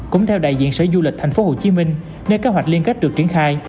cũng theo đại diện sở du lịch thành phố hồ chí minh nơi kế hoạch liên kết được triển khai